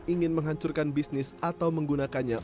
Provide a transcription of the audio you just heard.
ingin menghancurkan bisnis atau menggunakannya